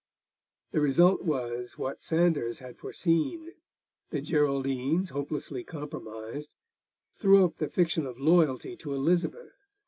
The result was what Sandars had foreseen; the Geraldines, hopelessly compromised, threw up the fiction of loyalty to Elizabeth.